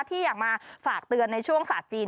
ที่อยากมาฝากเตือนในช่วงศาสตร์จีน